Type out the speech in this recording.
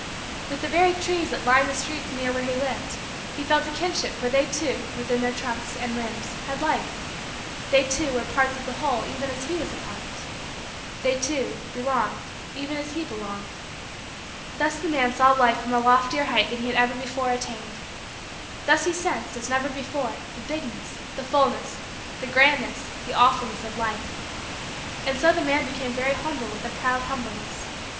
With the very trees that lined the streets near where he lived, he felt a kinship for they, too, within their trunks and limbs, had life they, too, were parts of the whole even as he was a part they, too, belonged even as he belonged. Thus the man saw Life from a loftier height than he had ever before attained. Thus he sensed, as never before, the bigness, the fullness, the grandness, the awfulness, of Life. And so the man became very humble with a proud humbleness.